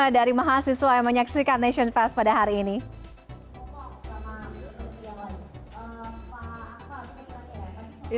dari mahasiswa yang menyaksikan nation fest pada hari ini